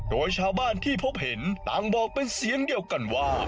โดยชาวบ้านที่พบเห็นต่างบอกเป็นเสียงเดียวกันว่า